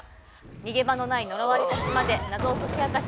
逃げ場のない呪われた島で謎を解き明かし、